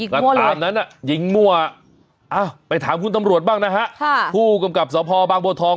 ก็ตามนั้นยิงมั่วไปถามคุณตำรวจบ้างนะฮะผู้กำกับสภบางบัวทอง